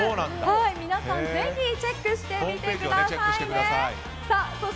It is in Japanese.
皆さん、ぜひチェックしてみてくださいね。